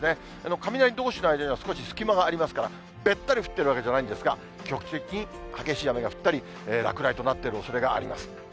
雷どうしの間では、少し隙間がありますから、べったり降ってるわけじゃないんですが、局地的に激しい雨が降ったり、落雷となってるおそれがあります。